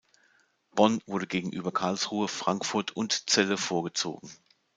Bonn wurde gegenüber Karlsruhe, Frankfurt und Celle vorgezogen.